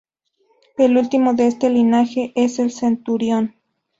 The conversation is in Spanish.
El último de este linaje es el Centurion.